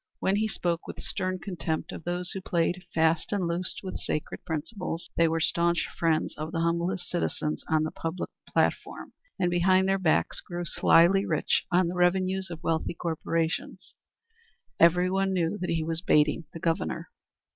When he spoke with stern contempt of those who played fast and loose with sacred principles who were staunch friends of the humblest citizens on the public platform, and behind their backs grew slyly rich on the revenues of wealthy corporations, everyone knew that he was baiting the Governor.